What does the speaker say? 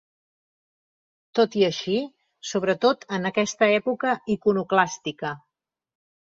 Tot i així, sobretot en aquesta època iconoclàstica.